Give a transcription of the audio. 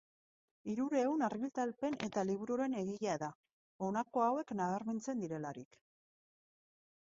Hirurehun argitalpen eta libururen egilea da, honako hauek nabarmentzen direlarik.